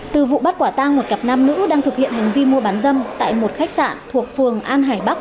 từ vụ bắt quả tang một cặp nam nữ đang thực hiện hành vi mua bán dâm tại một khách sạn thuộc phường an hải bắc